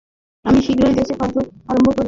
আমি শীঘ্রই দেশে কার্য আরম্ভ করিব।